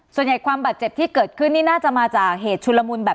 ส่วนใหญ่ความบาดเจ็บที่เกิดขึ้นนี่น่าจะมาจากเหตุชุลมุนแบบ